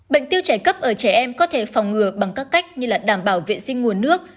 bệnh tiêu chảy cấp ở trẻ em có thể phòng ngừa bằng các cách như đảm bảo vệ sinh nguồn nước